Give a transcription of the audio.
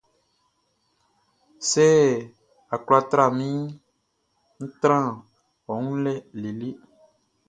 Sɛ a kwla tra minʼn, ń trán ɔ wun lɛ lele.